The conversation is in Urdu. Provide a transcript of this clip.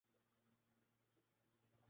تم میرا مزاق کیوں بنا رہے ہو؟